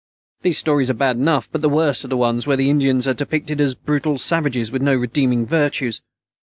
Those stories are bad enough. But the worst are the ones where the Indians are depicted as brutal savages with no redeeming virtues.